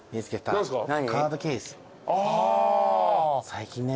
最近ね。